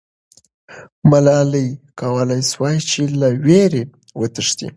ملالۍ کولای سوای چې له ویرې وتښتي.